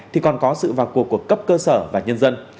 thì còn có sự vào cuộc của cấp cơ sở và nhân dân